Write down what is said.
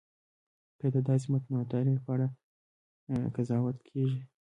کله چې د داسې متنوع تاریخ په اړه قضاوت کېږي.